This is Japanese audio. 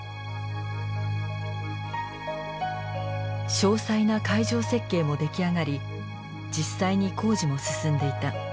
詳細な会場設計も出来上がり実際に工事も進んでいた。